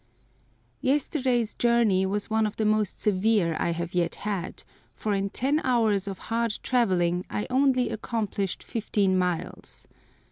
YESTERDAY'S journey was one of the most severe I have yet had, for in ten hours of hard travelling I only accomplished fifteen miles.